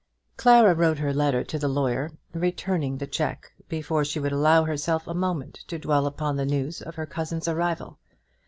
Clara wrote her letter to the lawyer, returning the cheque, before she would allow herself a moment to dwell upon the news of her cousin's arrival.